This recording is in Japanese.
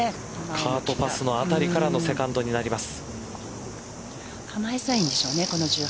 カートパスのあたりからのセカンドになります。